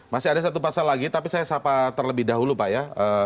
masih ada satu pasal lagi tapi saya sapa terlebih dahulu pak ya